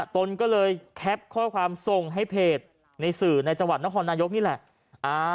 ตนก็เลยแคปข้อความส่งให้เพจในสื่อในจังหวัดนครนายกนี่แหละ